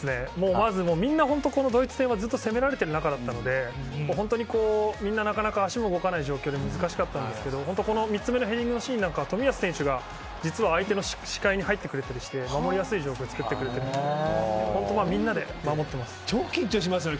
まず、みんなこのドイツ戦はずっと攻められてる中だったので本当に、みんななかなか足も動かない状況で難しかったんですが本当に３つ目のヘディングシーンなんか冨安選手が実は相手の視界に入ってくれて守りやすい状況を作ってくれてるので超緊張しますよね。